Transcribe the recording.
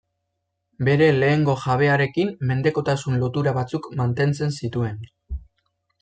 Bere lehengo jabearekin mendekotasun lotura batzuk mantentzen zituen.